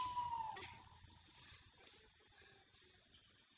mau jadi kayak gini sih salah buat apa